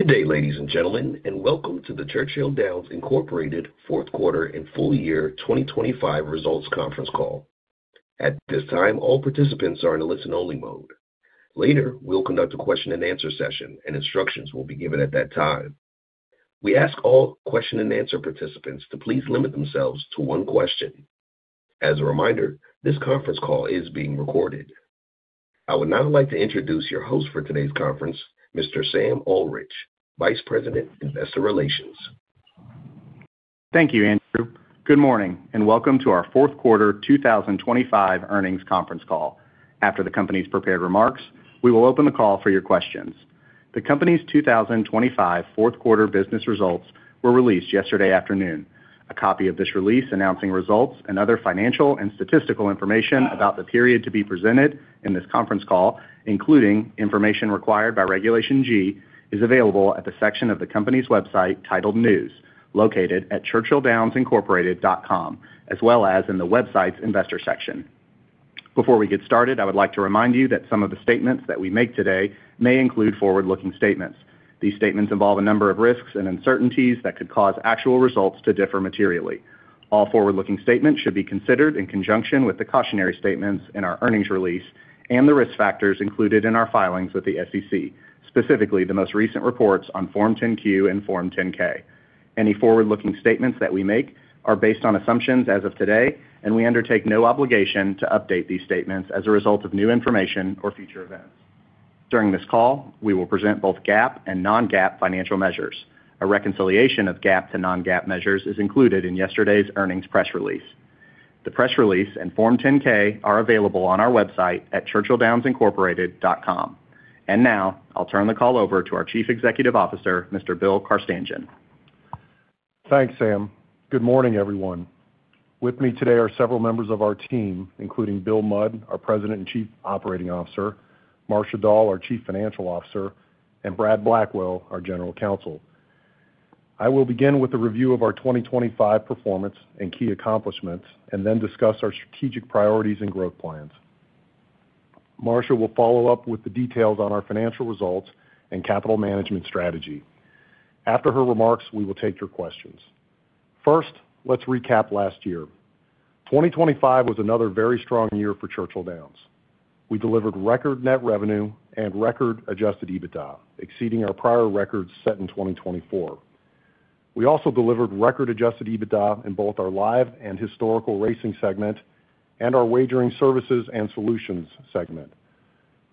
Good day, ladies and gentlemen, and welcome to the Churchill Downs Incorporated Fourth Quarter and Full Year 2025 Results Conference Call. At this time, all participants are in a listen-only mode. Later, we'll conduct a question-and-answer session, and instructions will be given at that time. We ask all question-and-answer participants to please limit themselves to one question. As a reminder, this conference call is being recorded. I would now like to introduce your host for today's conference, Mr. Sam Ullrich, Vice President, Investor Relations. Thank you, Andrew. Good morning, welcome to our fourth quarter 2025 earnings conference call. After the company's prepared remarks, we will open the call for your questions. The company's 2025 fourth quarter business results were released yesterday afternoon. A copy of this release announcing results and other financial and statistical information about the period to be presented in this conference call, including information required by Regulation G, is available at the section of the company's website titled News, located at churchilldownsincorporated.com, as well as in the website's Investor section. Before we get started, I would like to remind you that some of the statements that we make today may include forward-looking statements. These statements involve a number of risks and uncertainties that could cause actual results to differ materially. All forward-looking statements should be considered in conjunction with the cautionary statements in our earnings release and the risk factors included in our filings with the SEC, specifically the most recent reports on Form 10-Q and Form 10-K. Any forward-looking statements that we make are based on assumptions as of today, and we undertake no obligation to update these statements as a result of new information or future events. During this call, we will present both GAAP and non-GAAP financial measures. A reconciliation of GAAP to non-GAAP measures is included in yesterday's earnings press release. The press release and Form 10-K are available on our website at churchilldownsincorporated.com. Now, I'll turn the call over to our Chief Executive Officer, Mr. Bill Carstanjen. Thanks, Sam. Good morning, everyone. With me today are several members of our team, including Bill Mudd, our President and Chief Operating Officer, Marcia Dall, our Chief Financial Officer, and Brad Blackwell, our General Counsel. I will begin with a review of our 2025 performance and key accomplishments, and then discuss our strategic priorities and growth plans. Marcia will follow up with the details on our financial results and capital management strategy. After her remarks, we will take your questions. First, let's recap last year. 2025 was another very strong year for Churchill Downs. We delivered record net revenue and record Adjusted EBITDA, exceeding our prior records set in 2024. We also delivered record Adjusted EBITDA in both our Live and Historical Racing segment and our Wagering Services and Solutions segment.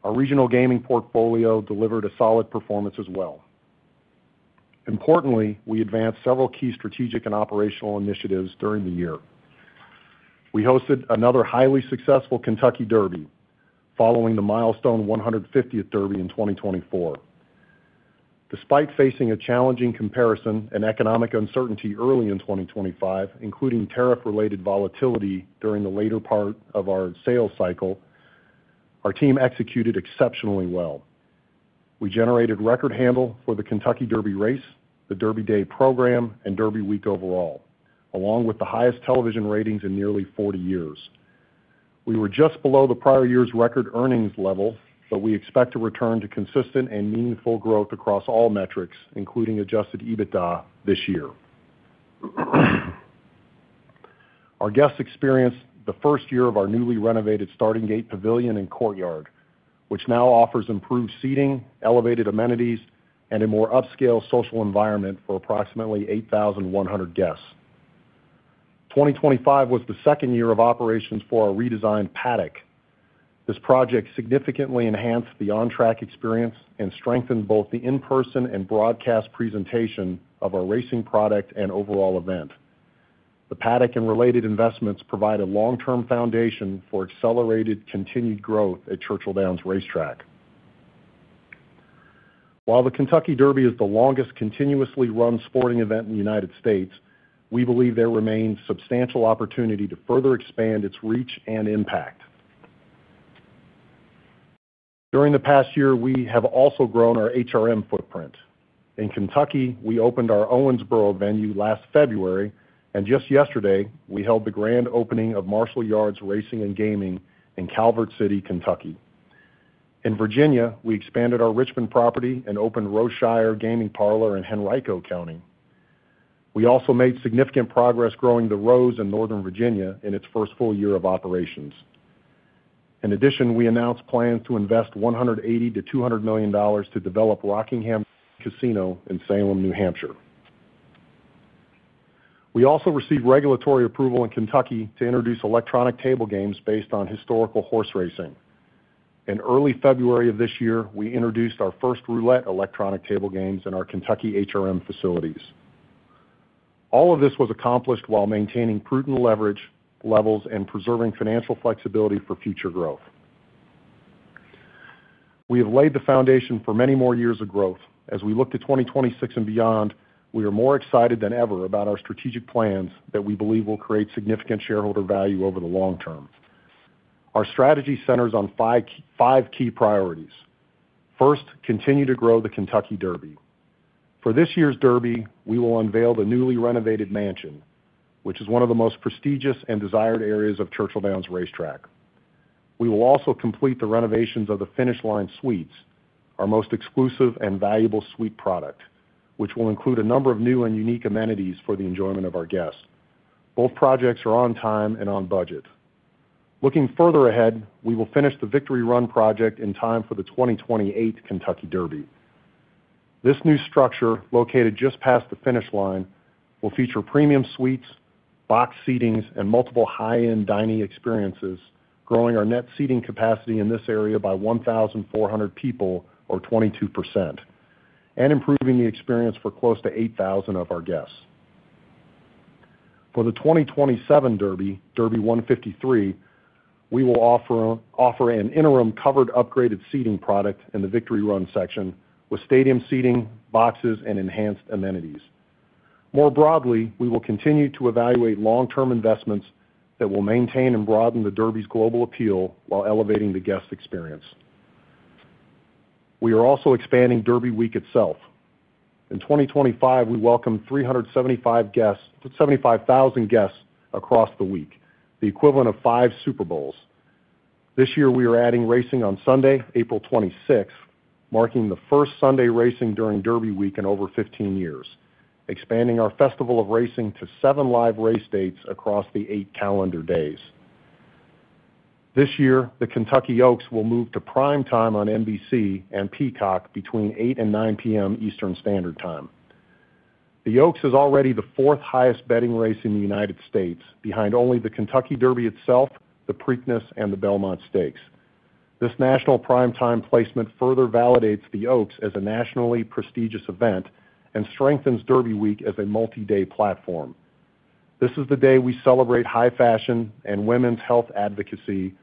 Our Regional Gaming portfolio delivered a solid performance as well. Importantly, we advanced several key strategic and operational initiatives during the year. We hosted another highly successful Kentucky Derby, following the milestone 150th Derby in 2024. Despite facing a challenging comparison and economic uncertainty early in 2025, including tariff-related volatility during the later part of our sales cycle, our team executed exceptionally well. We generated record handle for the Kentucky Derby race, the Derby Day program, and Derby week overall, along with the highest television ratings in nearly 40 years. We were just below the prior year's record earnings level. We expect to return to consistent and meaningful growth across all metrics, including Adjusted EBITDA this year. Our guests experienced the first year of our newly renovated Starting Gate Pavilion and Courtyard, which now offers improved seating, elevated amenities, and a more upscale social environment for approximately 8,100 guests. 2025 was the second year of operations for our redesigned Paddock. This project significantly enhanced the on-track experience and strengthened both the in-person and broadcast presentation of our racing product and overall event. The Paddock and related investments provide a long-term foundation for accelerated, continued growth at Churchill Downs Racetrack. While the Kentucky Derby is the longest continuously run sporting event in the U.S., we believe there remains substantial opportunity to further expand its reach and impact. During the past year, we have also grown our HRM footprint. In Kentucky, we opened our Owensboro venue last February. Just yesterday, we held the grand opening of Marshall Yards Racing and Gaming in Calvert City, Kentucky. In Virginia, we expanded our Richmond property and opened Roseshire Gaming Parlor in Henrico County. We also made significant progress growing The Rose in Northern Virginia in its first full year of operations. In addition, we announced plans to invest $180 million-$200 million to develop Rockingham Casino in Salem, New Hampshire. We also received regulatory approval in Kentucky to introduce electronic table games based on historical horse racing. In early February of this year, we introduced our first roulette electronic table games in our Kentucky HRM facilities. All of this was accomplished while maintaining prudent leverage levels and preserving financial flexibility for future growth. We have laid the foundation for many more years of growth. As we look to 2026 and beyond, we are more excited than ever about our strategic plans that we believe will create significant shareholder value over the long term. Our strategy centers on five key priorities. First, continue to grow the Kentucky Derby. For this year's Derby, we will unveil the newly renovated Mansion, which is one of the most prestigious and desired areas of Churchill Downs Racetrack. We will also complete the renovations of the Finish Line Suites, our most exclusive and valuable suite product, which will include a number of new and unique amenities for the enjoyment of our guests. Both projects are on time and on budget. Looking further ahead, we will finish the Victory Run project in time for the 2028 Kentucky Derby. This new structure, located just past the finish line, will feature premium suites, box seatings, and multiple high-end dining experiences, growing our net seating capacity in this area by 1,400 people or 22%, and improving the experience for close to 8,000 of our guests. For the 2027 Derby 153, we will offer an interim covered upgraded seating product in the Victory Run section, with stadium seating, boxes, and enhanced amenities. More broadly, we will continue to evaluate long-term investments that will maintain and broaden the Derby's global appeal while elevating the guest experience. We are also expanding Derby week itself. In 2025, we welcomed 375,000 guests across the week, the equivalent of 5 Super Bowls. This year, we are adding racing on Sunday, April 26th, marking the first Sunday racing during Derby week in over 15 years, expanding our festival of racing to 7 live race dates across the 8 calendar days. This year, the Kentucky Oaks will move to prime time on NBC and Peacock between 8:00 P.M. and 9:00 P.M. EST. The Oaks is already the 4th highest betting race in the United States, behind only the Kentucky Derby itself, the Preakness, and the Belmont Stakes. This national prime time placement further validates the Oaks as a nationally prestigious event and strengthens Derby week as a multi-day platform. This is the day we celebrate high fashion and women's health advocacy,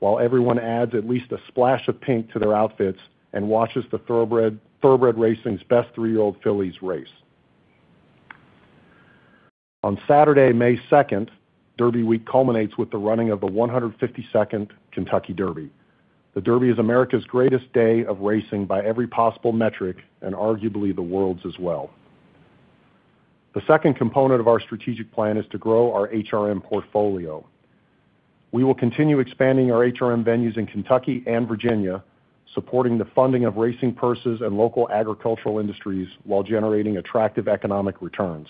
while everyone adds at least a splash of pink to their outfits and watches Thoroughbred racing's best 3-year-old fillies race. On Saturday, May 2nd, Derby week culminates with the running of the 152nd Kentucky Derby. The Derby is America's greatest day of racing by every possible metric, and arguably the world's as well. The 2nd component of our strategic plan is to grow our HRM portfolio. We will continue expanding our HRM venues in Kentucky and Virginia, supporting the funding of racing purses and local agricultural industries while generating attractive economic returns.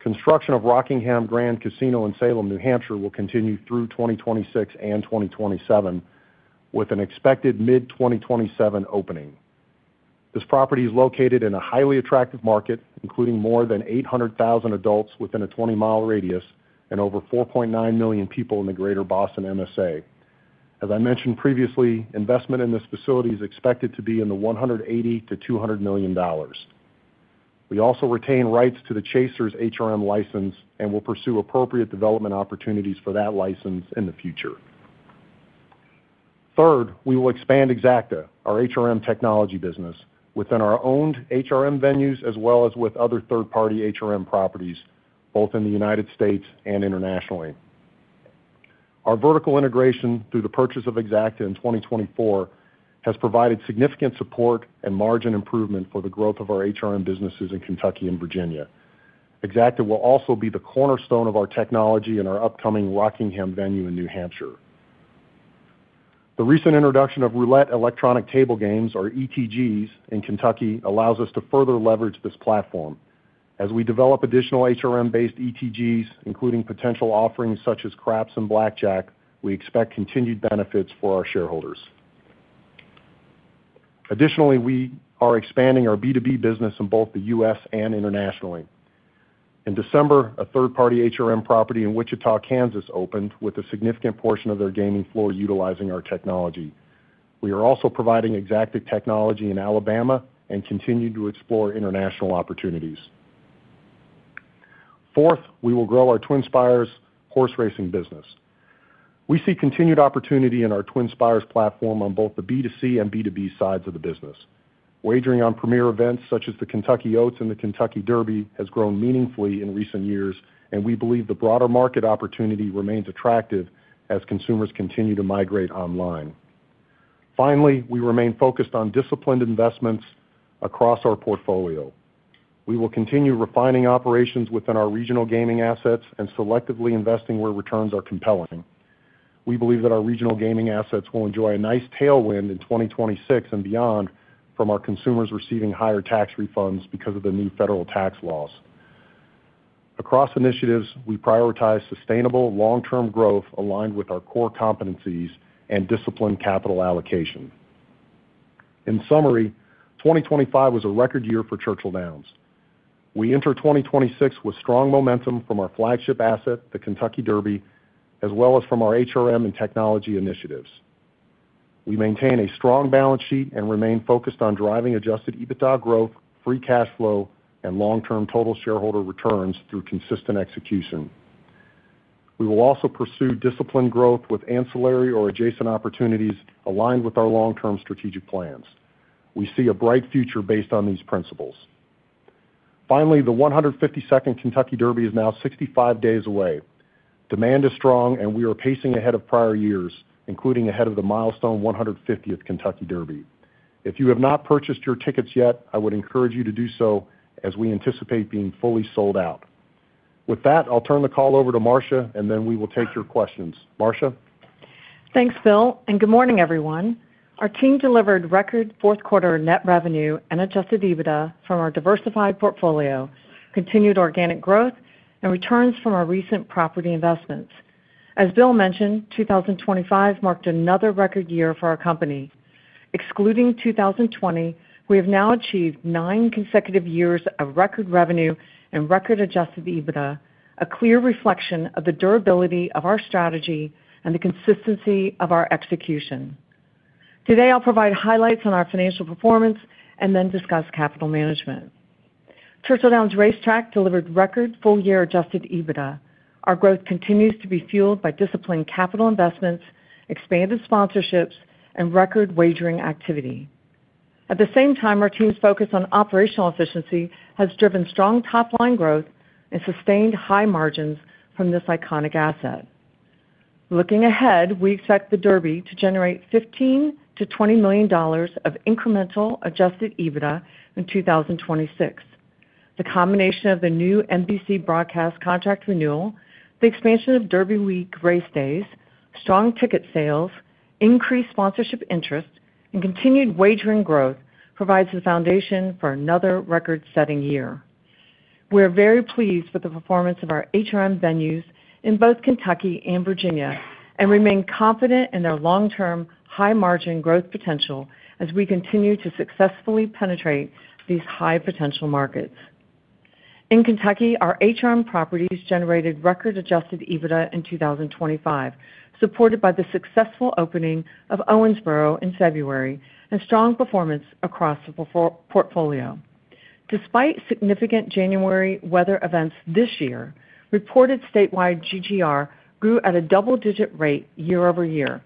Construction of Rockingham Grand Casino in Salem, New Hampshire, will continue through 2026 and 2027, with an expected mid-2027 opening. This property is located in a highly attractive market, including more than 800,000 adults within a 20-mile radius and over 4.9 million people in the greater Boston MSA. As I mentioned previously, investment in this facility is expected to be in the $180 million-$200 million. We also retain rights to the Chasers HRM license and will pursue appropriate development opportunities for that license in the future. We will expand Exacta, our HRM technology business, within our own HRM venues, as well as with other third-party HRM properties, both in the United States and internationally. Our vertical integration through the purchase of Exacta in 2024 has provided significant support and margin improvement for the growth of our HRM businesses in Kentucky and Virginia. Exacta will also be the cornerstone of our technology in our upcoming Rockingham venue in New Hampshire. The recent introduction of roulette electronic table games, or ETGs, in Kentucky allows us to further leverage this platform. We develop additional HRM-based ETGs, including potential offerings such as craps and blackjack, we expect continued benefits for our shareholders. We are expanding our B2B business in both the U.S. and internationally. In December, a third-party HRM property in Wichita, Kansas, opened with a significant portion of their gaming floor utilizing our technology. We are also providing Exacta technology in Alabama and continue to explore international opportunities. Fourth, we will grow our TwinSpires horse racing business. We see continued opportunity in our TwinSpires platform on both the B2C and B2B sides of the business. Wagering on premier events, such as the Kentucky Oaks and the Kentucky Derby, has grown meaningfully in recent years, and we believe the broader market opportunity remains attractive as consumers continue to migrate online. Finally, we remain focused on disciplined investments across our portfolio. We will continue refining operations within our regional gaming assets and selectively investing where returns are compelling. We believe that our regional gaming assets will enjoy a nice tailwind in 2026 and beyond from our consumers receiving higher tax refunds because of the new federal tax laws. Across initiatives, we prioritize sustainable, long-term growth aligned with our core competencies and disciplined capital allocation. In summary, 2025 was a record year for Churchill Downs. We enter 2026 with strong momentum from our flagship asset, the Kentucky Derby, as well as from our HRM and technology initiatives. We maintain a strong balance sheet and remain focused on driving Adjusted EBITDA growth, free cash flow, and long-term total shareholder returns through consistent execution. We will also pursue disciplined growth with ancillary or adjacent opportunities aligned with our long-term strategic plans. We see a bright future based on these principles. The 152nd Kentucky Derby is now 65 days away. Demand is strong, and we are pacing ahead of prior years, including ahead of the milestone 150th Kentucky Derby. If you have not purchased your tickets yet, I would encourage you to do so as we anticipate being fully sold out. With that, I'll turn the call over to Marcia, and then we will take your questions. Marcia? Thanks, Bill, and good morning, everyone. Our team delivered record fourth quarter net revenue and Adjusted EBITDA from our diversified portfolio, continued organic growth, and returns from our recent property investments. As Bill mentioned, 2025 marked another record year for our company. Excluding 2020, we have now achieved nine consecutive years of record revenue and record Adjusted EBITDA, a clear reflection of the durability of our strategy and the consistency of our execution. Today, I'll provide highlights on our financial performance and then discuss capital management. Churchill Downs Racetrack delivered record full-year Adjusted EBITDA. Our growth continues to be fueled by disciplined capital investments, expanded sponsorships, and record wagering activity. At the same time, our team's focus on operational efficiency has driven strong top-line growth and sustained high margins from this iconic asset. Looking ahead, we expect the Derby to generate $15 million-$20 million of incremental Adjusted EBITDA in 2026. The combination of the new NBC broadcast contract renewal, the expansion of Derby week race days, strong ticket sales, increased sponsorship interest, and continued wagering growth provides the foundation for another record-setting year. We are very pleased with the performance of our HRM venues in both Kentucky and Virginia, and remain confident in their long-term, high-margin growth potential as we continue to successfully penetrate these high-potential markets. In Kentucky, our HRM properties generated record Adjusted EBITDA in 2025, supported by the successful opening of Owensboro in February and strong performance across the portfolio. Despite significant January weather events this year, reported statewide GGR grew at a double-digit rate year-over-year,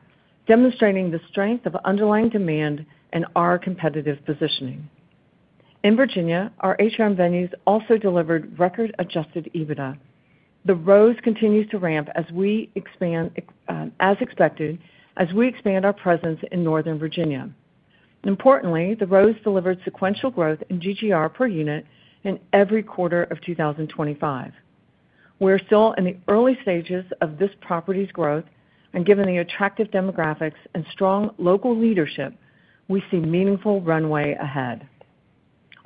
demonstrating the strength of underlying demand and our competitive positioning. In Virginia, our HRM venues also delivered record Adjusted EBITDA. The Rose continues to ramp as we expand, as expected, as we expand our presence in Northern Virginia. Importantly, The Rose delivered sequential growth in GGR per unit in every quarter of 2025. We're still in the early stages of this property's growth, and given the attractive demographics and strong local leadership, we see meaningful runway ahead.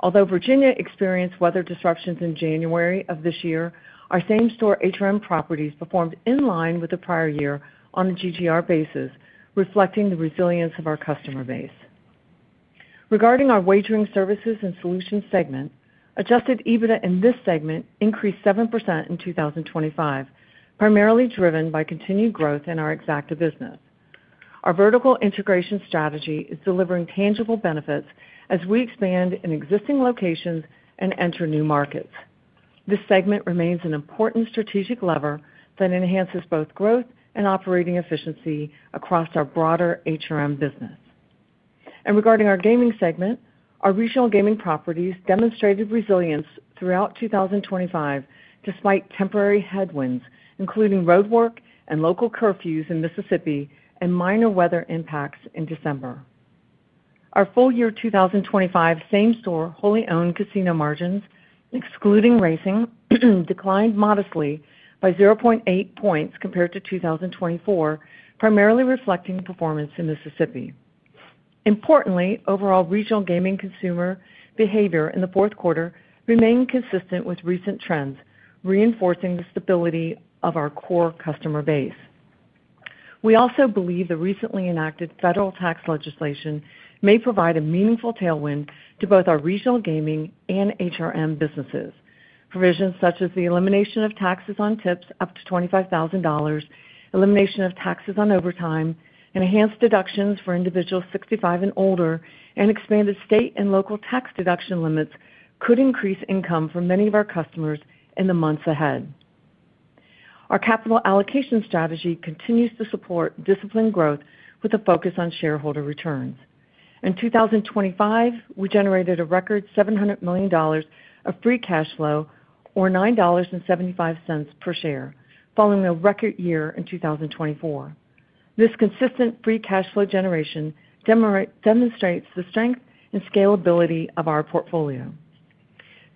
Although Virginia experienced weather disruptions in January of this year, our same-store HRM properties performed in line with the prior year on a GGR basis, reflecting the resilience of our customer base. Regarding our Wagering Services and Solutions segment, Adjusted EBITDA in this segment increased 7% in 2025, primarily driven by continued growth in our Exacta business. Our vertical integration strategy is delivering tangible benefits as we expand in existing locations and enter new markets. This segment remains an important strategic lever that enhances both growth and operating efficiency across our broader HRM business. Regarding our Regional Gaming properties demonstrated resilience throughout 2025, despite temporary headwinds, including roadwork and local curfews in Mississippi and minor weather impacts in December. Our full year 2025 same-store, wholly owned casino margins, excluding racing, declined modestly by 0.8 points compared to 2024, primarily reflecting performance in Mississippi. Importantly, overall Regional Gaming consumer behavior in the fourth quarter remained consistent with recent trends, reinforcing the stability of our core customer base. We also believe the recently enacted federal tax legislation may provide a meaningful tailwind to both our Regional Gaming and HRM businesses. Provisions such as the elimination of taxes on tips up to $25,000, elimination of taxes on overtime, enhanced deductions for individuals 65 and older, and expanded state and local tax deduction limits could increase income for many of our customers in the months ahead. Our capital allocation strategy continues to support disciplined growth with a focus on shareholder returns. In 2025, we generated a record $700 million of free cash flow or $9.75 per share, following a record year in 2024. This consistent free cash flow generation demonstrates the strength and scalability of our portfolio.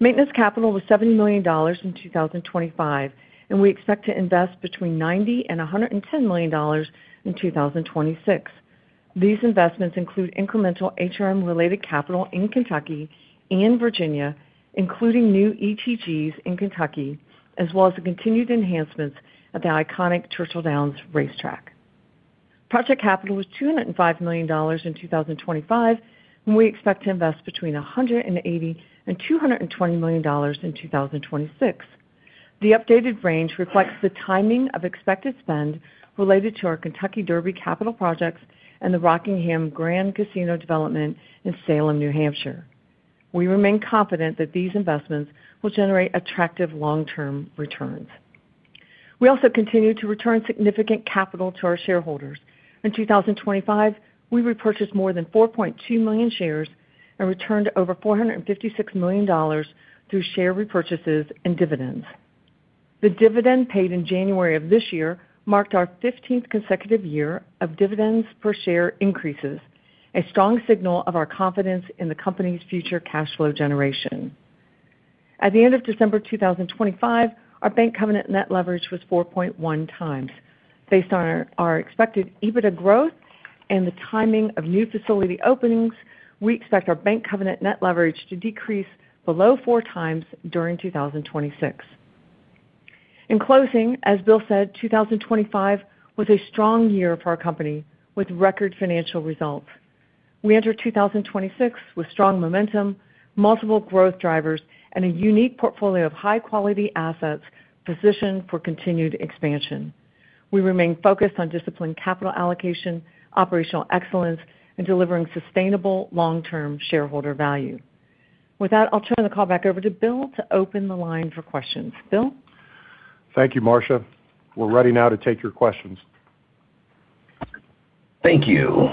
Maintenance capital was $70 million in 2025, and we expect to invest between $90 million and $110 million in 2026. These investments include incremental HRM-related capital in Kentucky and Virginia, including new ETGs in Kentucky, as well as the continued enhancements of the iconic Churchill Downs Racetrack. Project capital was $205 million in 2025, and we expect to invest between $180 million and $220 million in 2026. The updated range reflects the timing of expected spend related to our Kentucky Derby capital projects and the Rockingham Grand Casino development in Salem, New Hampshire. We remain confident that these investments will generate attractive long-term returns. We also continue to return significant capital to our shareholders. In 2025, we repurchased more than 4.2 million shares and returned over $456 million through share repurchases and dividends.... The dividend paid in January of this year marked our 15th consecutive year of dividends per share increases, a strong signal of our confidence in the company's future cash flow generation. At the end of December 2025, our bank covenant net leverage was 4.1 times. Based on our expected EBITDA growth and the timing of new facility openings, we expect our bank covenant net leverage to decrease below 4 times during 2026. In closing, as Bill said, 2025 was a strong year for our company, with record financial results. We enter 2026 with strong momentum, multiple growth drivers, and a unique portfolio of high-quality assets positioned for continued expansion. We remain focused on disciplined capital allocation, operational excellence, and delivering sustainable long-term shareholder value. With that, I'll turn the call back over to Bill to open the line for questions. Bill? Thank you, Marcia. We're ready now to take your questions. Thank you.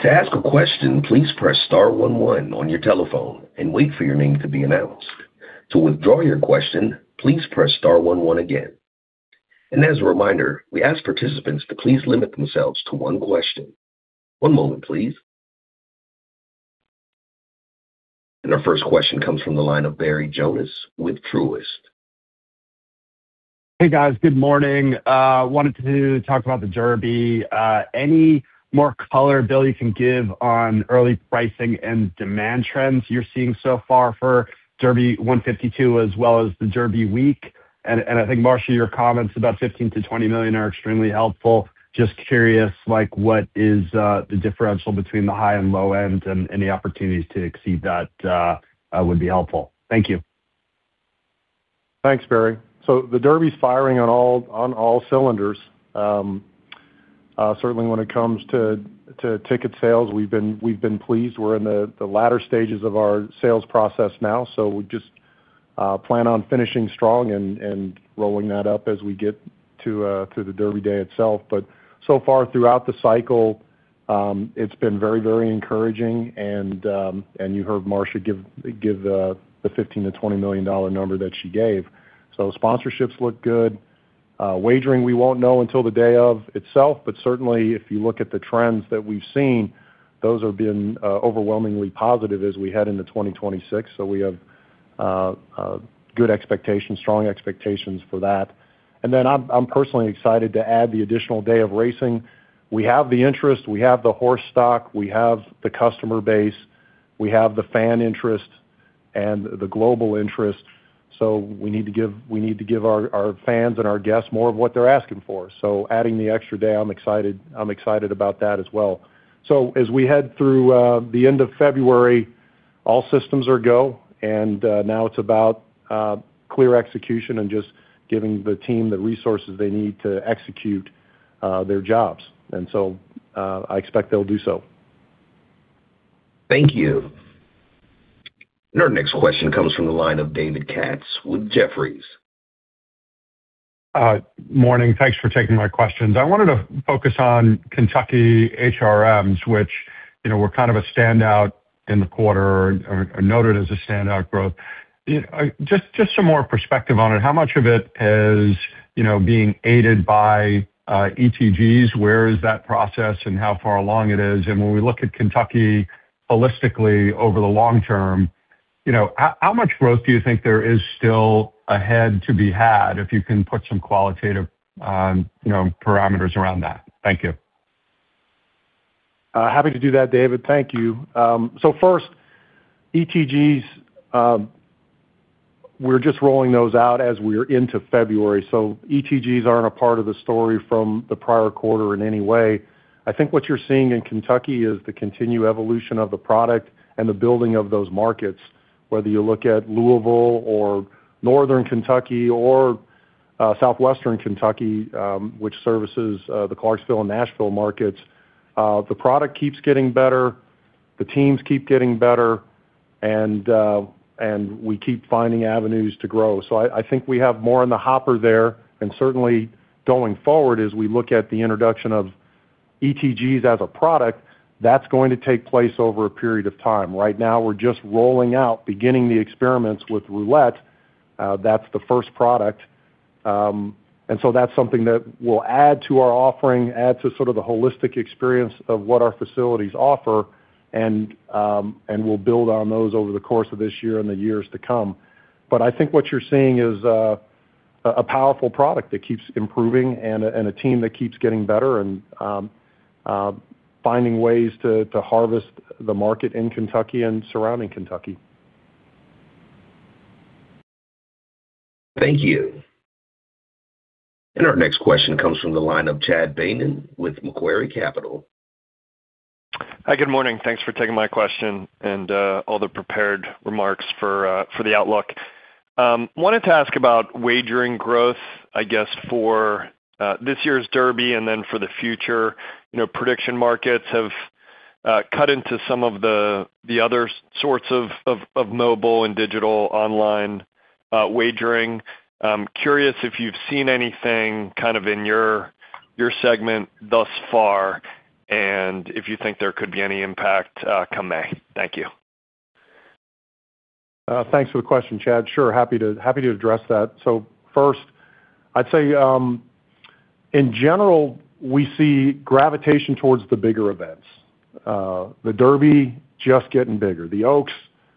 To ask a question, please press * 1 1 on your telephone and wait for your name to be announced. To withdraw your question, please press * 1 1 again. As a reminder, we ask participants to please limit themselves to one question. One moment, please. Our first question comes from the line of Barry Jonas with Truist. Hey, guys. Good morning. Wanted to talk about the Derby. Any more color, Bill, you can give on early pricing and demand trends you're seeing so far for Derby 152, as well as the Derby week? I think, Marcia, your comments about $15 million-$20 million are extremely helpful. Just curious, like, what is the differential between the high and low end, and any opportunities to exceed that would be helpful. Thank you. Thanks, Barry. The Derby's firing on all cylinders. Certainly when it comes to ticket sales, we've been pleased. We're in the latter stages of our sales process now, so we just plan on finishing strong and rolling that up as we get to the Derby day itself. So far, throughout the cycle, it's been very encouraging, and you heard Marcia give the $15 million-$20 million number that she gave. Sponsorships look good. Wagering, we won't know until the day of itself, but certainly, if you look at the trends that we've seen, those have been overwhelmingly positive as we head into 2026. We have good expectations, strong expectations for that. I'm personally excited to add the additional day of racing. We have the interest, we have the horse stock, we have the customer base, we have the fan interest, and the global interest, we need to give our fans and our guests more of what they're asking for. Adding the extra day, I'm excited about that as well. As we head through the end of February, all systems are go, and now it's about clear execution and just giving the team the resources they need to execute their jobs. I expect they'll do so. Thank you. Our next question comes from the line of David Katz with Jefferies. Morning. Thanks for taking my questions. I wanted to focus on Kentucky HRMs, which, you know, were kind of a standout in the quarter or noted as a standout growth. Just some more perspective on it, how much of it is, you know, being aided by ETGs? Where is that process and how far along it is? When we look at Kentucky holistically over the long term, you know, how much growth do you think there is still ahead to be had, if you can put some qualitative, you know, parameters around that? Thank you. Happy to do that, David. Thank you. First, ETGs, we're just rolling those out as we are into February. ETGs aren't a part of the story from the prior quarter in any way. I think what you're seeing in Kentucky is the continued evolution of the product and the building of those markets, whether you look at Louisville or Northern Kentucky or Southwestern Kentucky, which services the Clarksville and Nashville markets. The product keeps getting better, the teams keep getting better, and we keep finding avenues to grow. I think we have more in the hopper there. Certainly, going forward, as we look at the introduction of ETGs as a product, that's going to take place over a period of time. Right now, we're just rolling out, beginning the experiments with roulette. That's the 1st product. That's something that will add to our offering, add to sort of the holistic experience of what our facilities offer, and we'll build on those over the course of this year and the years to come. I think what you're seeing is a powerful product that keeps improving and a team that keeps getting better and finding ways to harvest the market in Kentucky and surrounding Kentucky. Thank you. Our next question comes from the line of Chad Beynon with Macquarie Capital. Hi, good morning. Thanks for taking my question. All the prepared remarks for the outlook. Wanted to ask about wagering growth, I guess, for this year's Derby and then for the future. You know, prediction markets have cut into some of the other sorts of mobile and digital online wagering. Curious if you've seen anything kind of in your segment thus far, and if you think there could be any impact come May? Thank you. Thanks for the question, Chad. Sure, happy to address that. First, I'd say, in general, we see gravitation towards the bigger events. The Derby just getting bigger. The Oaks,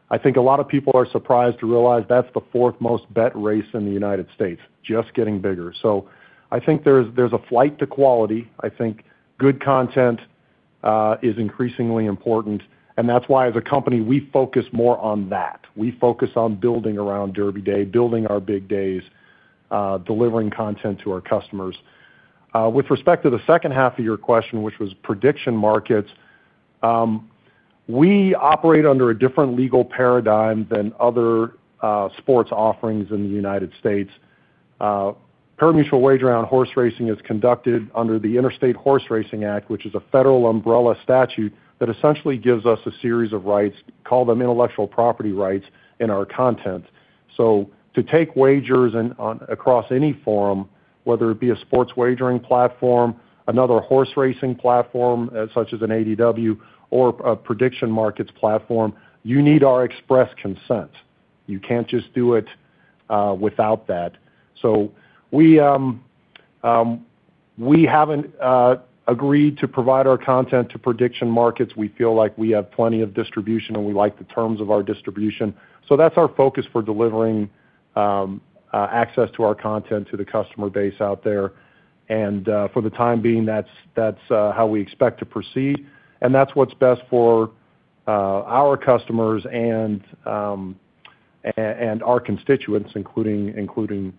I think a lot of people are surprised to realize that's the fourth most bet race in the United States, just getting bigger. I think there's a flight to quality. I think good content is increasingly important, and that's why, as a company, we focus more on that. We focus on building around Derby Day, building our big days, delivering content to our customers. With respect to the second half of your question, which was prediction markets, we operate under a different legal paradigm than other sports offerings in the United States. Pari-mutuel wager on horse racing is conducted under the Interstate Horseracing Act, which is a federal umbrella statute that essentially gives us a series of rights, call them intellectual property rights, in our content. To take wagers across any forum, whether it be a sports wagering platform, another horse racing platform, such as an ADW, or a prediction markets platform, you need our express consent. You can't just do it without that. We haven't agreed to provide our content to prediction markets. We feel like we have plenty of distribution, and we like the terms of our distribution. That's our focus for delivering access to our content to the customer base out there. For the time being, that's how we expect to proceed, and that's what's best for our customers and our constituents, including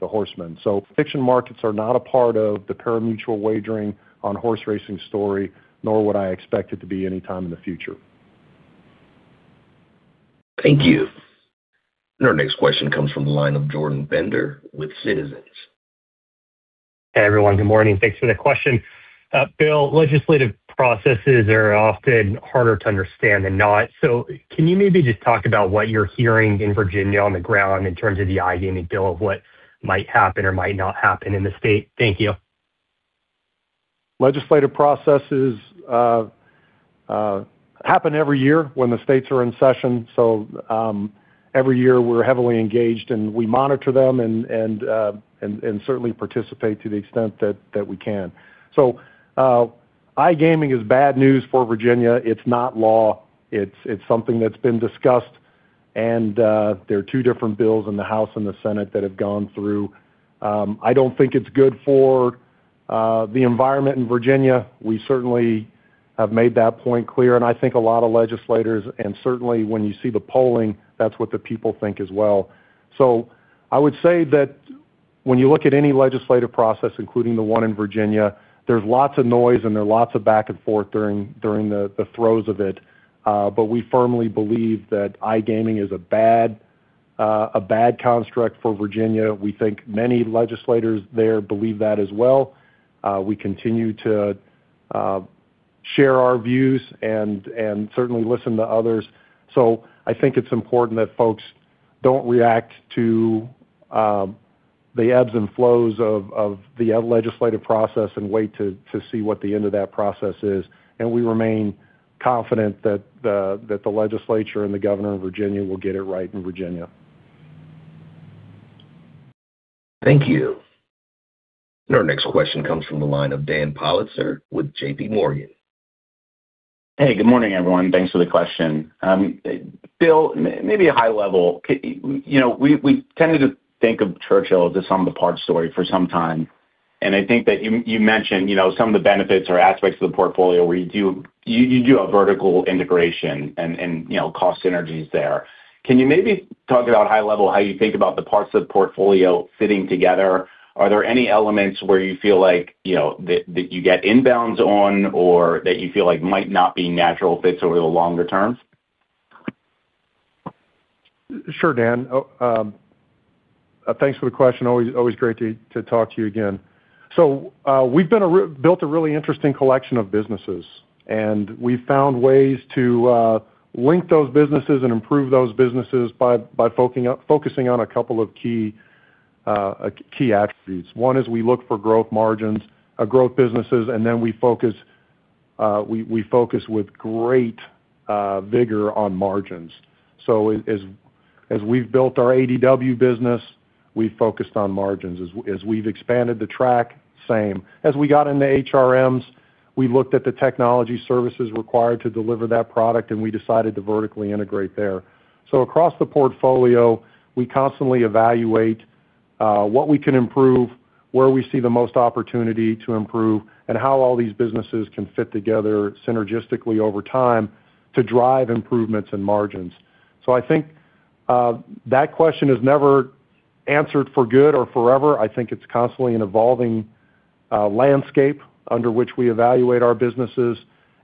the horsemen. Prediction markets are not a part of the pari-mutuel wagering on horse racing story, nor would I expect it to be anytime in the future. Thank you. Our next question comes from the line of Jordan Bender with Citizens. Hey, everyone. Good morning. Thanks for the question. Bill, legislative processes are often harder to understand than not. Can you maybe just talk about what you're hearing in Virginia on the ground in terms of the iGaming bill, of what might happen or might not happen in the state? Thank you. Legislative processes happen every year when the states are in session. Every year, we're heavily engaged, and we monitor them and certainly participate to the extent that we can. iGaming is bad news for Virginia. It's not law. It's something that's been discussed, there are two different bills in the House and the Senate that have gone through. I don't think it's good for the environment in Virginia. We certainly have made that point clear, and I think a lot of legislators, and certainly when you see the polling, that's what the people think as well. I would say that when you look at any legislative process, including the one in Virginia, there's lots of noise, and there are lots of back and forth during the throes of it. We firmly believe that iGaming is a bad construct for Virginia. We think many legislators there believe that as well. We continue to share our views and certainly listen to others. I think it's important that folks don't react to the ebbs and flows of the legislative process and wait to see what the end of that process is. We remain confident that the legislature and the governor of Virginia will get it right in Virginia. Thank you. Our next question comes from the line of Dan Politzer with J.P. Morgan. Hey, good morning, everyone. Thanks for the question. Bill, maybe a high level. You know, we tended to think of Churchill as the sum of the parts story for some time. I think that you mentioned, you know, some of the benefits or aspects of the portfolio where you do a vertical integration and, you know, cost synergies there. Can you maybe talk about high level, how you think about the parts of the portfolio fitting together? Are there any elements where you feel like, you know, that you get inbounds on or that you feel like might not be natural fits over the longer term? Sure, Dan. Thanks for the question. Always great to talk to you again. We've built a really interesting collection of businesses, and we've found ways to link those businesses and improve those businesses by focusing on a couple of key attributes. One is we look for growth margins, growth businesses, and then we focus, we focus with great vigor on margins. As we've built our ADW business, we've focused on margins. As we've expanded the track, same. As we got into HRMs, we looked at the technology services required to deliver that product, and we decided to vertically integrate there. Across the portfolio, we constantly evaluate what we can improve, where we see the most opportunity to improve, and how all these businesses can fit together synergistically over time to drive improvements and margins. I think that question is never answered for good or forever. I think it's constantly an evolving landscape under which we evaluate our businesses,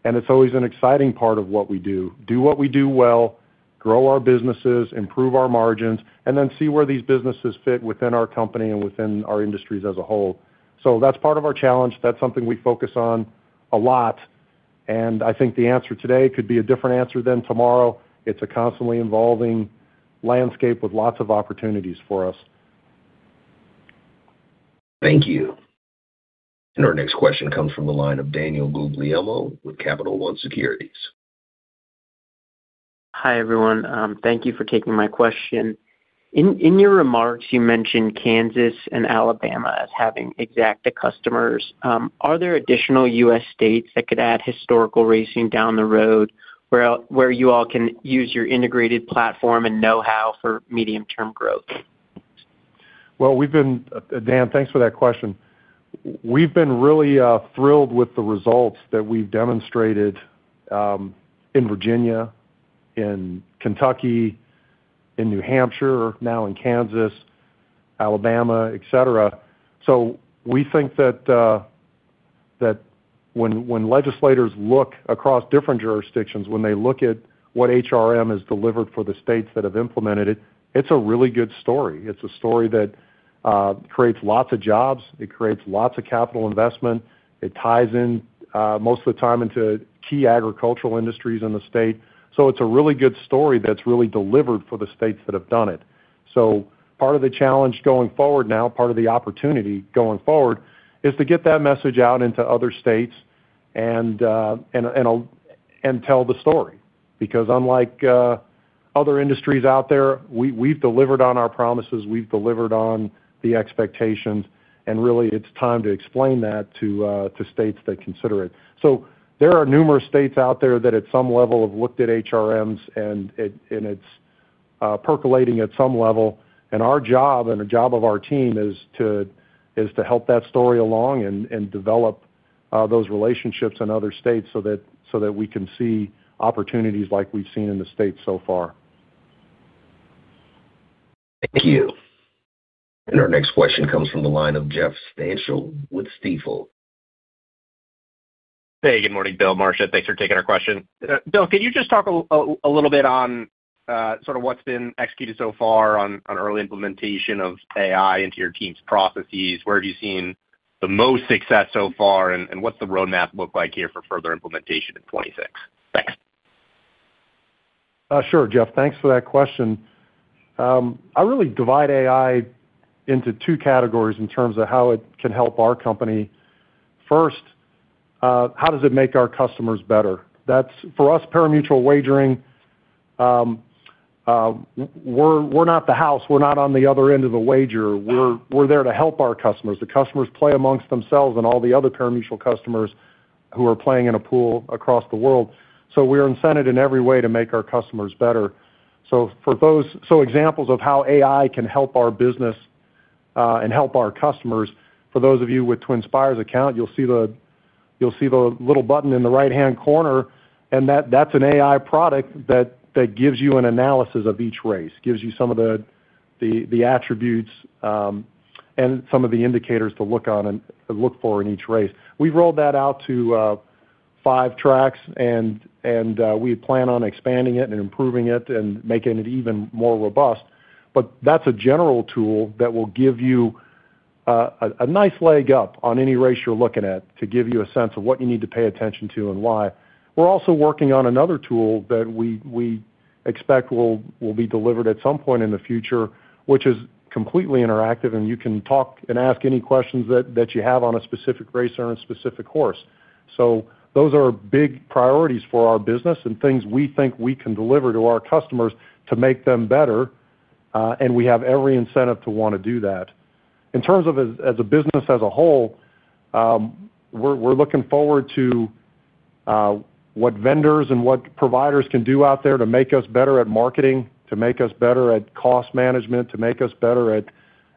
and it's always an exciting part of what we do. Do what we do well, grow our businesses, improve our margins, and then see where these businesses fit within our company and within our industries as a whole. That's part of our challenge. That's something we focus on a lot, and I think the answer today could be a different answer than tomorrow. It's a constantly evolving landscape with lots of opportunities for us. Thank you. Our next question comes from the line of Daniel Guglielmo with Capital One Securities. Hi, everyone. Thank you for taking my question. In your remarks, you mentioned Kansas and Alabama as having Exacta customers. Are there additional U.S. states that could add historical racing down the road, where you all can use your integrated platform and know-how for medium-term growth? Well, Dan, thanks for that question. We've been really thrilled with the results that we've demonstrated in Virginia, in Kentucky, in New Hampshire, now in Kansas, Alabama, et cetera. We think that when legislators look across different jurisdictions, when they look at what HRM has delivered for the states that have implemented it's a really good story. It's a story that creates lots of jobs, it creates lots of capital investment. It ties in most of the time into key agricultural industries in the state. It's a really good story that's really delivered for the states that have done it. Part of the challenge going forward now, part of the opportunity going forward, is to get that message out into other states and tell the story. Because unlike other industries out there, we've delivered on our promises, we've delivered on the expectations, and really, it's time to explain that to states that consider it. There are numerous states out there that at some level have looked at HRMs, and it's percolating at some level. Our job and the job of our team is to help that story along and develop those relationships in other states so that we can see opportunities like we've seen in the states so far. Thank you. Our next question comes from the line of Jeff Stantial with Stifel. Hey, good morning, Bill, Marcia. Thanks for taking our question. Bill, could you just talk a little bit on sort of what's been executed so far on early implementation of AI into your team's processes? Where have you seen the most success so far, and what's the roadmap look like here for further implementation in 2026? Thanks. Sure, Jeff. Thanks for that question. I really divide AI into two categories in terms of how it can help our company. First, how does it make our customers better? That's, for us, pari-mutuel wagering, we're not the house, we're not on the other end of the wager. We're there to help our customers. The customers play amongst themselves and all the other pari-mutuel customers who are playing in a pool across the world. We're incented in every way to make our customers better. Examples of how AI can help our business and help our customers, for those of you with TwinSpires account, you'll see the little button in the right-hand corner, and that's an AI product that gives you an analysis of each race. Gives you some of the attributes, and some of the indicators to look on and look for in each race. We've rolled that out to five tracks, and we plan on expanding it and improving it and making it even more robust. That's a general tool that will give you a nice leg up on any race you're looking at, to give you a sense of what you need to pay attention to and why. We're also working on another tool that we expect will be delivered at some point in the future, which is completely interactive, and you can talk and ask any questions that you have on a specific race or a specific horse. Those are big priorities for our business and things we think we can deliver to our customers to make them better, and we have every incentive to wanna do that. In terms of as a business as a whole, we're looking forward to what vendors and what providers can do out there to make us better at marketing, to make us better at cost management, to make us better at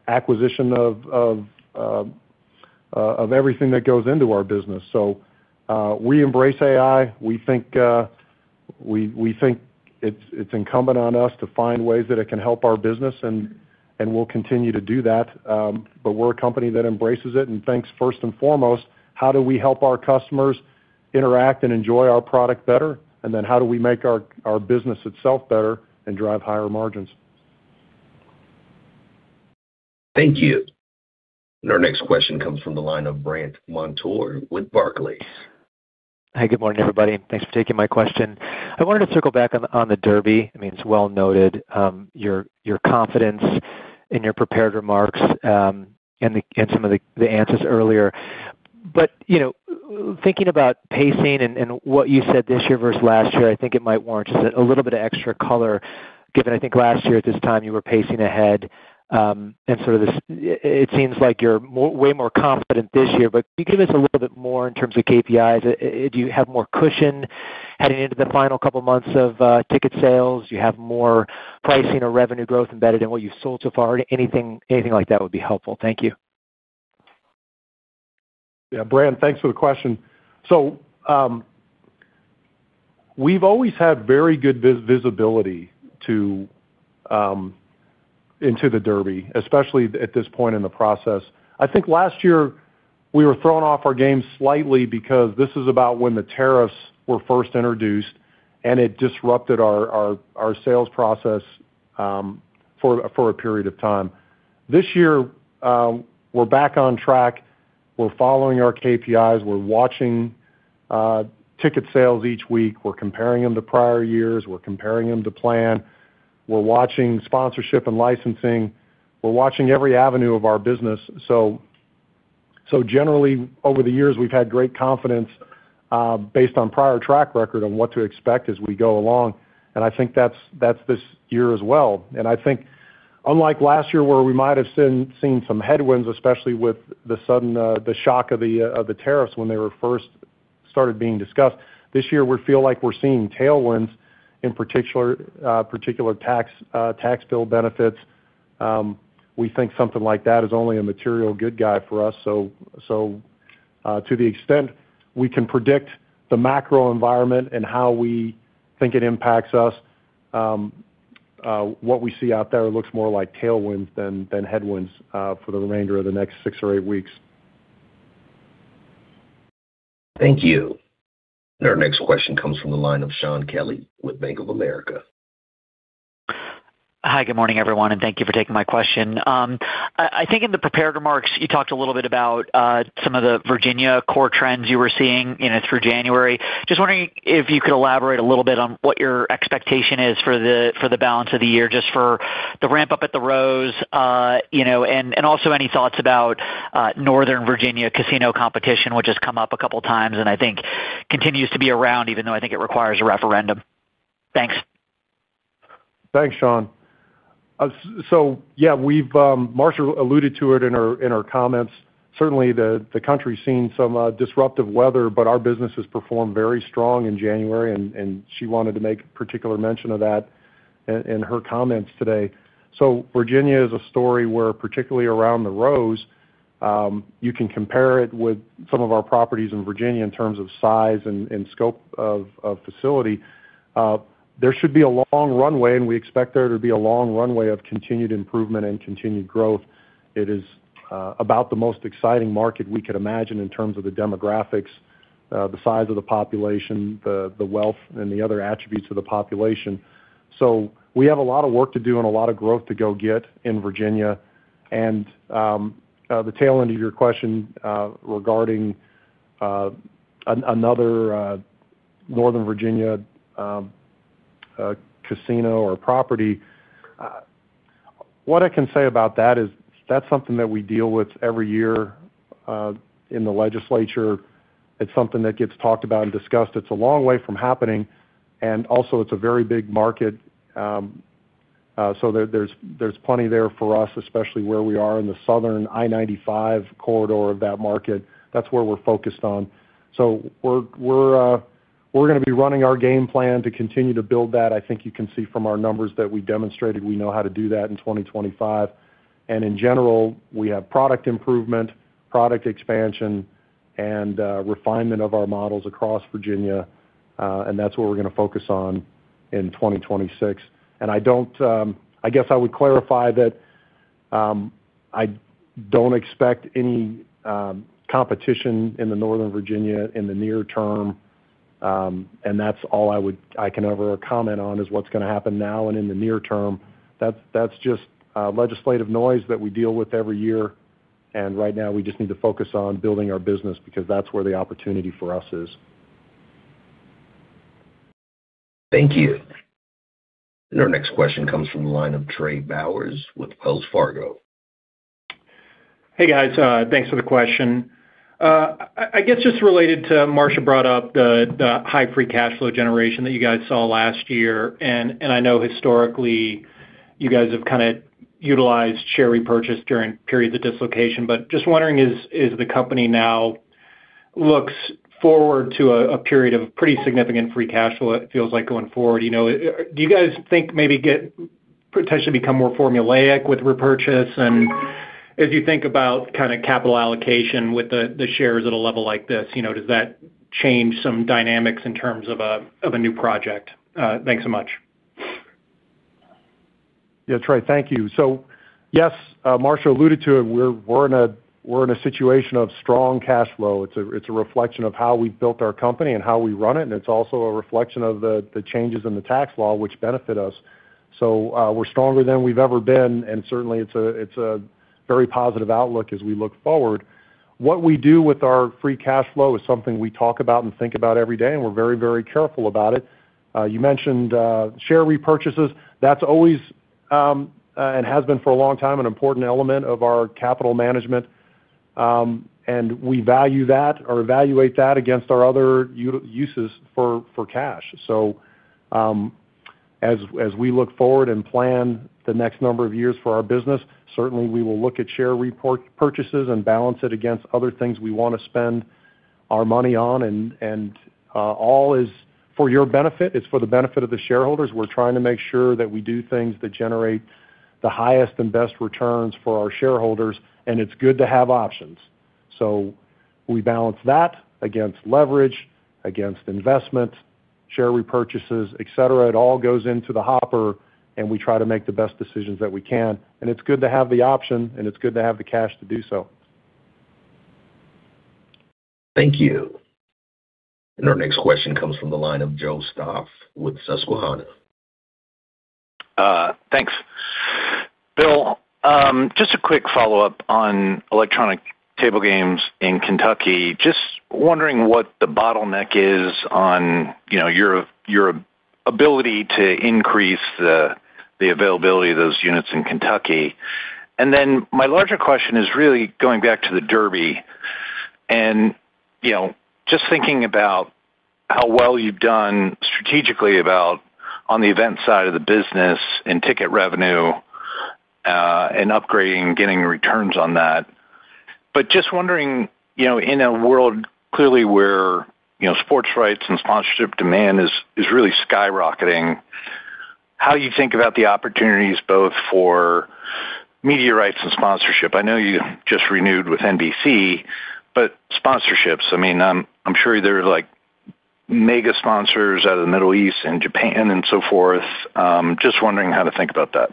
acquisition of everything that goes into our business. We embrace AI. We think it's incumbent on us to find ways that it can help our business, and we'll continue to do that. We're a company that embraces it and thinks first and foremost, how do we help our customers interact and enjoy our product better? Then how do we make our business itself better and drive higher margins? Thank you. Our next question comes from the line of Brandt Montour with Barclays. Hi, good morning, everybody. Thanks for taking my question. I wanted to circle back on the Derby. I mean, it's well noted, your confidence in your prepared remarks, and in some of the answers earlier. You know, thinking about pacing and what you said this year versus last year, I think it might warrant just a little bit of extra color, given I think last year at this time, you were pacing ahead. And sort of this, it seems like you're way more confident this year, but can you give us a little bit more in terms of KPIs? Do you have more cushion heading into the final couple of months of ticket sales? Do you have more pricing or revenue growth embedded in what you've sold so far? Anything like that would be helpful. Thank you. Yeah, Brant, thanks for the question. We've always had very good visibility to, into the Derby, especially at this point in the process. I think last year we were thrown off our game slightly because this is about when the tariffs were first introduced, and it disrupted our sales process for a period of time. This year, we're back on track. We're following our KPIs, we're watching ticket sales each week. We're comparing them to prior years. We're comparing them to plan. We're watching sponsorship and licensing. We're watching every avenue of our business. Generally, over the years, we've had great confidence based on prior track record on what to expect as we go along, and I think that's this year as well. I think unlike last year, where we might have seen some headwinds, especially with the sudden, the shock of the tariffs when they were first started being discussed, this year, we feel like we're seeing tailwinds, in particular tax bill benefits. We think something like that is only a material good guy for us. To the extent we can predict the macro environment and how we think it impacts us, what we see out there looks more like tailwinds than headwinds, for the remainder of the next six or eight weeks. Thank you. Our next question comes from the line of Shaun Kelley with Bank of America. Hi, good morning, everyone, and thank you for taking my question. I think in the prepared remarks, you talked a little bit about some of the Virginia core trends you were seeing, you know, through January. Just wondering if you could elaborate a little bit on what your expectation is for the balance of the year, just for the ramp-up at the Rose, you know, and also any thoughts about Northern Virginia casino competition, which has come up a couple of times, and I think continues to be around, even though I think it requires a referendum. Thanks. Thanks, Shaun. Yeah, we've, Marcia alluded to it in her comments. Certainly, the country's seen some disruptive weather, but our business has performed very strong in January, and she wanted to make particular mention of that in her comments today. Virginia is a story where, particularly around The Rose, you can compare it with some of our properties in Virginia in terms of size and scope of facility. There should be a long runway, and we expect there to be a long runway of continued improvement and continued growth. It is about the most exciting market we could imagine in terms of the demographics, the size of the population, the wealth, and the other attributes of the population. We have a lot of work to do and a lot of growth to go get in Virginia. The tail end of your question regarding another Northern Virginia casino or property. What I can say about that is that's something that we deal with every year in the legislature. It's something that gets talked about and discussed. It's a long way from happening, and also it's a very big market, so there's plenty there for us, especially where we are in the southern I-95 corridor of that market. That's where we're focused on. We're gonna be running our game plan to continue to build that. I think you can see from our numbers that we demonstrated we know how to do that in 2025. In general, we have product improvement, product expansion, and refinement of our models across Virginia, and that's what we're gonna focus on in 2026. I don't, I guess I would clarify that, I don't expect any competition in the Northern Virginia in the near term. That's all I can ever comment on, is what's gonna happen now and in the near term. That's just legislative noise that we deal with every year. Right now we just need to focus on building our business, because that's where the opportunity for us is. Thank you. Our next question comes from the line of Trey Bowers with Wells Fargo. Hey, guys, thanks for the question. I guess just related to Marcia brought up the high free cash flow generation that you guys saw last year, and I know historically, you guys have kinda utilized share repurchase during periods of dislocation. Just wondering, as the company now looks forward to a period of pretty significant free cash flow, it feels like going forward, you know, do you guys think maybe get potentially become more formulaic with repurchase? As you think about kinda capital allocation with the shares at a level like this, you know, does that change some dynamics in terms of a new project? Thanks so much. Yeah, Trey, thank you. Yes, Marcia alluded to it. We're in a situation of strong cash flow. It's a reflection of how we've built our company and how we run it, and it's also a reflection of the changes in the tax law, which benefit us. We're stronger than we've ever been, and certainly it's a very positive outlook as we look forward. What we do with our free cash flow is something we talk about and think about every day, and we're very, very careful about it. You mentioned share repurchases. That's always and has been for a long time, an important element of our capital management, and we value that or evaluate that against our other uses for cash. As we look forward and plan the next number of years for our business, certainly we will look at share report purchases and balance it against other things we wanna spend our money on, all is for your benefit. It's for the benefit of the shareholders. We're trying to make sure that we do things that generate the highest and best returns for our shareholders, and it's good to have options. We balance that against leverage, against investment, share repurchases, et cetera. It all goes into the hopper, and we try to make the best decisions that we can. It's good to have the option, and it's good to have the cash to do so. Thank you. Our next question comes from the line of Joe Stauff with Susquehanna.... thanks. Bill, just a quick follow-up on electronic table games in Kentucky. Just wondering what the bottleneck is on, you know, your ability to increase the availability of those units in Kentucky. My larger question is really going back to the Derby, and, you know, just thinking about how well you've done strategically about on the event side of the business and ticket revenue, and upgrading, getting returns on that. Just wondering, you know, in a world clearly where, you know, sports rights and sponsorship demand is really skyrocketing, how you think about the opportunities both for media rights and sponsorship? I know you just renewed with NBC, but sponsorships, I mean, I'm sure there are, like, mega sponsors out of the Middle East and Japan and so forth. Just wondering how to think about that.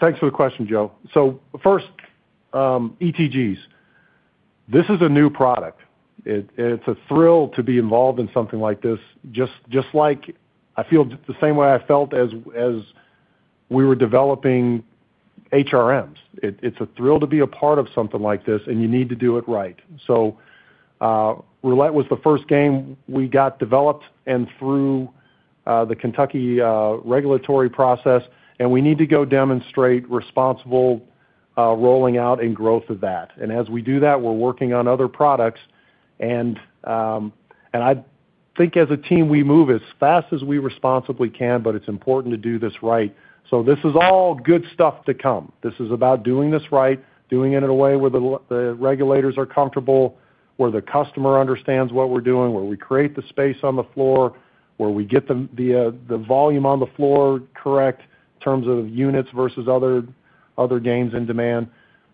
Thanks for the question, Joe. First, ETGs, this is a new product. It's a thrill to be involved in something like this, just like I feel the same way I felt as we were developing HRMs. It's a thrill to be a part of something like this, and you need to do it right. Roulette was the first game we got developed and through the Kentucky regulatory process, and we need to go demonstrate responsible rolling out and growth of that. As we do that, we're working on other products, and I think as a team, we move as fast as we responsibly can, but it's important to do this right. This is all good stuff to come. This is about doing this right, doing it in a way where the regulators are comfortable, where the customer understands what we're doing, where we create the space on the floor, where we get the volume on the floor correct in terms of units versus other games in demand.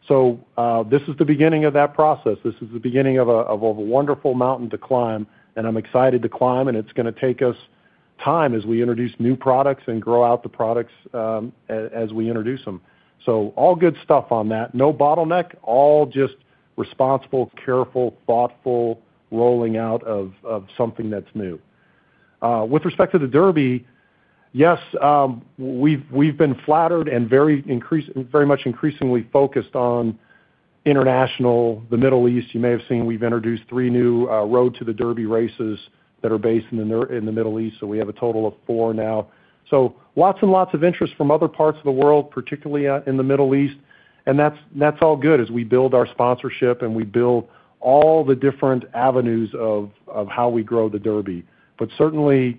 This is the beginning of that process. This is the beginning of a wonderful mountain to climb, and I'm excited to climb, and it's gonna take us time as we introduce new products and grow out the products as we introduce them. All good stuff on that. No bottleneck, all just responsible, careful, thoughtful, rolling out of something that's new. With respect to the Derby, yes, we've been flattered and very much increasingly focused on international, the Middle East. You may have seen, we've introduced 3 new Road to the Derby races that are based in the Middle East, so we have a total of 4 now. Lots and lots of interest from other parts of the world, particularly in the Middle East, and that's all good as we build our sponsorship and we build all the different avenues of how we grow the Derby. Certainly,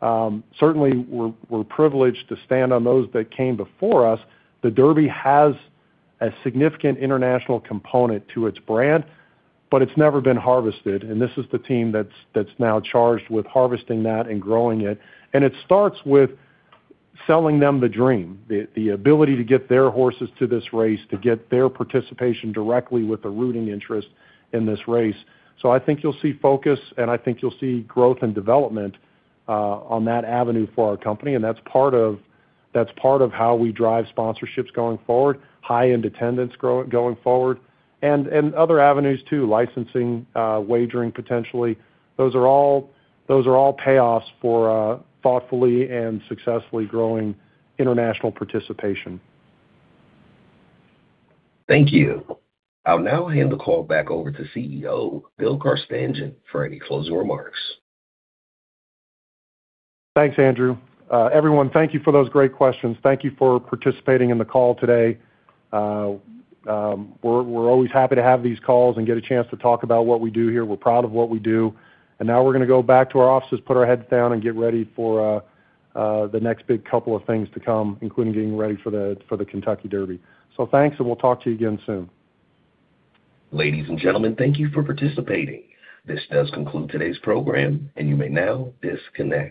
we're privileged to stand on those that came before us. The Derby has a significant international component to its brand, but it's never been harvested, and this is the team that's now charged with harvesting that and growing it. It starts with selling them the dream, the ability to get their horses to this race, to get their participation directly with a rooting interest in this race. I think you'll see focus, and I think you'll see growth and development on that avenue for our company, and that's part of how we drive sponsorships going forward, high-end attendance going forward, and other avenues, too, licensing, wagering, potentially. Those are all payoffs for thoughtfully and successfully growing international participation. Thank you. I'll now hand the call back over to CEO, Bill Carstanjen, for any closing remarks. Thanks, Andrew. Everyone, thank you for those great questions. Thank you for participating in the call today. We're always happy to have these calls and get a chance to talk about what we do here. We're proud of what we do, and now we're gonna go back to our offices, put our heads down, and get ready for the next big couple of things to come, including getting ready for the Kentucky Derby. Thanks, and we'll talk to you again soon. Ladies and gentlemen, thank you for participating. This does conclude today's program. You may now disconnect.